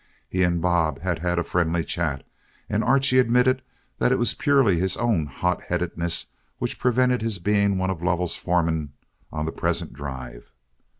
He and Bob had had a friendly chat, and Archie admitted that it was purely his own hot headedness which prevented his being one of Lovell's foremen on the present drive.